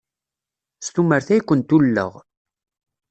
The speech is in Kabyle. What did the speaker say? S tumert ay kent-ulleɣ.